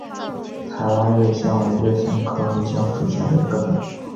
台湾瑞香为瑞香科瑞香属下的一个种。